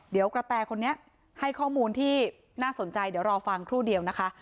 เดี๋ยวกระแตคนนี้ให้ข้อมูลที่น่าสนใจเดี๋ยวรอฟังครู่เดียวนะคะ